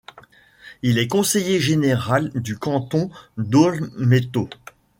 Il est conseiller général du canton d'Olmeto.